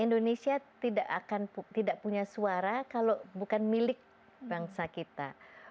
indonesia tidak akan tidak punya suara kalau bukan milik bangsa kita